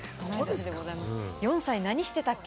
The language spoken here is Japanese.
４歳、何してたっけ？